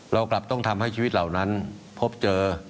เรากลับต้องทำให้ชีวิตเหล่านั้นพบเจอ